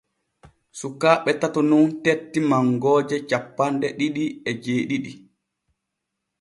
Sukaaɓe tato nun tetti mangooje cappanɗe ɗiɗi e jeeɗiɗi.